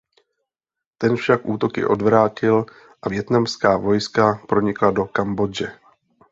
Ten však útoky odvrátil a vietnamská vojska pronikla do Kambodže.